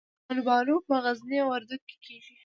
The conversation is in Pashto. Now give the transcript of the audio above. الوبالو په غزني او وردګو کې کیږي.